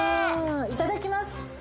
いただきます。